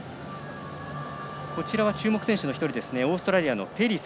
注目選手の１人オーストラリアのペリス。